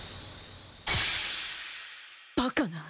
バカな！